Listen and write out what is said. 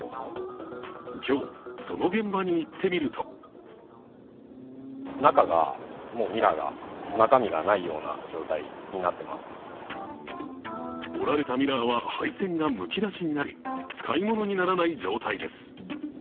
今日、その現場に行ってみると折られたミラーは配線がむき出しになり使い物にならない状態です。